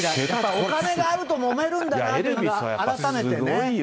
お金があると、もめるんだなというのが改めてね。